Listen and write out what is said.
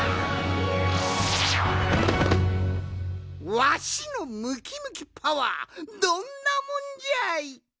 わしのムキムキパワーどんなもんじゃい！